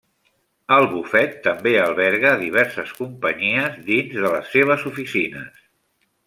El bufet també alberga a diverses companyies dins de les seves oficines.